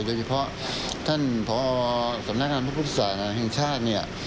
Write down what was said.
โดยเฉพาะท่านพศสำนักการณ์ภาพฤษศาสนาแห่งชาติ